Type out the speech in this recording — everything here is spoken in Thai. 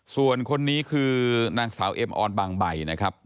ส่วนคนนี้คือนางสาวเอ็มออนบางใบนะครับ